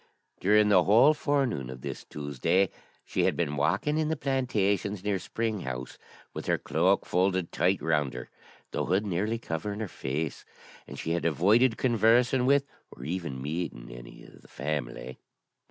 During the whole forenoon of this Tuesday she had been walking in the plantations near Spring House, with her cloak folded tight round her, the hood nearly covering her face; and she had avoided conversing with or even meeting any of the family.